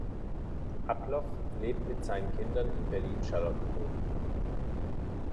Adloff lebt mit seinen Kindern in Berlin-Charlottenburg.